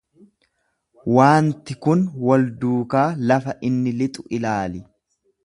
Waanti kun wal duukaa lafa inni lixu ilaali.